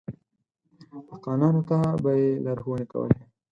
دهقانانو ته به يې لارښونې کولې.